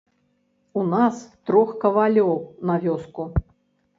У нас трох кавалёў на вёску.